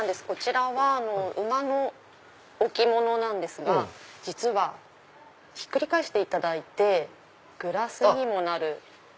こちらは馬の置物なんですが実はひっくり返していただいてグラスにもなる。